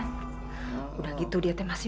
kalau cep ganteng mah kelihatannya kaya kampungan